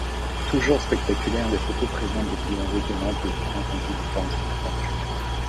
Toujours spectaculaires, les photos présentent des couleurs étonnantes et bien entendu des formes inattendues.